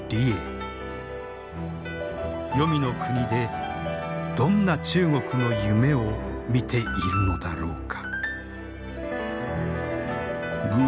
黄泉の国でどんな中国の夢を見ているのだろうか。